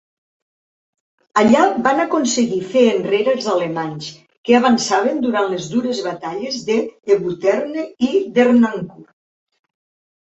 Allà van aconseguir fer enrere els alemanys que avançaven durant les dures batalles d'Hébuterne i Dernancourt.